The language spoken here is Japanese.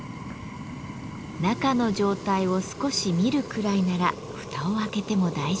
中の状態を少し見るくらいなら蓋を開けても大丈夫。